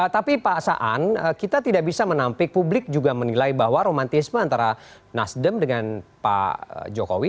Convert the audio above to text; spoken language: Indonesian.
tapi pak saan kita tidak bisa menampik publik juga menilai bahwa romantisme antara nasdem dengan pak jokowi